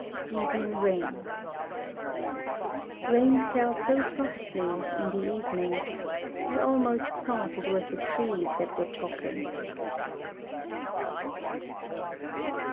Evening Rain Rain fell so softly, in the evening, I almost thought it was the trees that were talking.